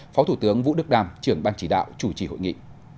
phó thủ tướng vũ đức đàm trưởng ban chỉ đạo chủ trì hội nghị